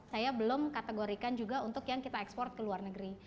saya belum kategorikan juga untuk yang kita ekspor ke luar negeri